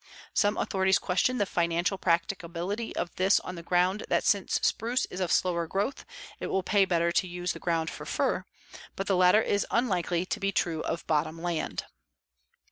Some authorities question the financial practicability of this on the ground that since spruce is of slower growth it will pay better to use the ground for fir, but the latter is unlikely to be true of bottom land.